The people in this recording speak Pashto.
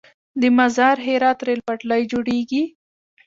د مزار - هرات ریل پټلۍ جوړیږي؟